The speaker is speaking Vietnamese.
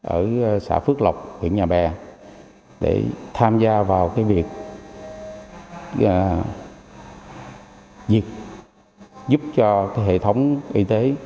ở xã phước lộc huyện nhà bè để tham gia vào cái việc giúp cho hệ thống y tế